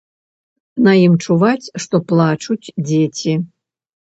На ім чуваць, што плачуць дзеці.